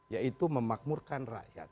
yaitu memakmurkan rakyat